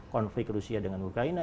konflik rusia dengan ukraina